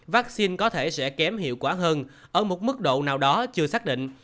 vaccine có thể sẽ kém hiệu quả hơn ở một mức độ nào đó chưa xác định